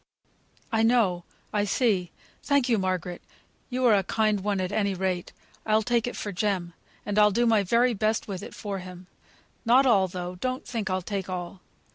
"I know I see. Thank you, Margaret; you're a kind one, at any rate. I take it for Jem; and I'll do my very best with it for him. Not all, though; don't think I'll take all.